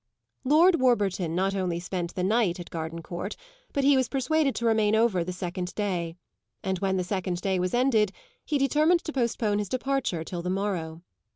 Lord Warburton not only spent the night at Gardencourt, but he was persuaded to remain over the second day; and when the second day was ended he determined to postpone his departure till the morrow.